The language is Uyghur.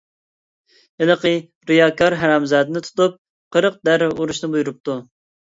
ھېلىقى رىياكار ھارامزادىنى تۇتۇپ، قىرىق دەررە ئۇرۇشنى بۇيرۇپتۇ.